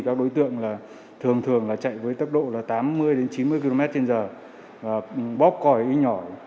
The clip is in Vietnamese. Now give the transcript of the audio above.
các đối tượng thường thường chạy với tốc độ tám mươi chín mươi kmh bóc còi ít nhỏ